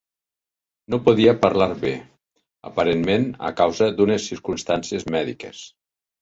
No podia parlar bé, aparentment a causa d'unes circumstàncies mèdiques.